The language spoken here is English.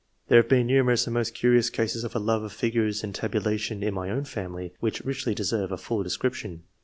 There have been numerous and most curious cases of a love of figures and tabulation in my own family, which richly deserve a fuU description.